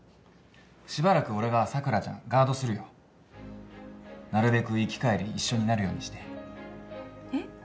しばらく俺が佐倉ちゃんガードするよなるべく行き帰り一緒になるようにしてえっ？